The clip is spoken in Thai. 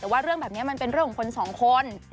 แต่ว่าเรื่องแบบนี้มันเป็นเรื่องของคนสองคน